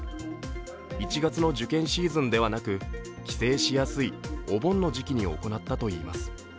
１月の受験シーズンではなく、帰省しやすいお盆の時期に行ったといいます。